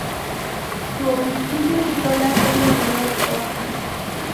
Su obispillo y cola son de color ocre.